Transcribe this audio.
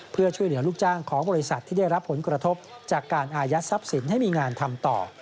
เพื่อช่วยเหลือลูกจ้างของบริษัทที่ได้รับผลกระทบจากการอายัดทรัพย์สินให้มีงานทำต่อ